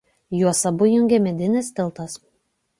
Juos abu jungia medinis tiltas.